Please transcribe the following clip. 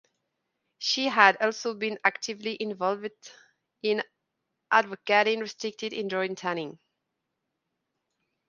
She has also been actively involved in advocating restricted indoor tanning.